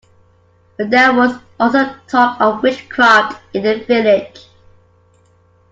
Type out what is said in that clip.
But there was also talk of witchcraft in the village.